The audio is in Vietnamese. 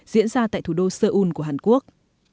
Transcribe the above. diễn ra tại thủ đô seoul của hàn quốc